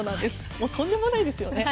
もうとんでもないですよね。